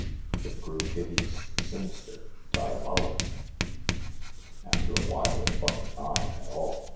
It grew hideous, sinister, diabolic. After a while it wasn't I, at all.